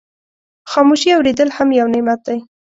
خاموشي اورېدل هم یو نعمت دی.